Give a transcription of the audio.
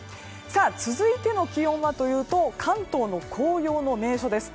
続いての気温はというと関東の紅葉の名所です。